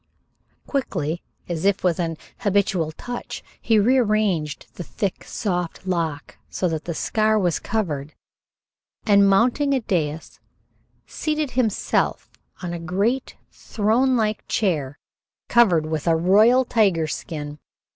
Quickly, as if with an habitual touch, he rearranged the thick, soft lock so that the scar was covered, and mounting a dais, seated himself on a great thronelike chair covered with a royal tiger skin.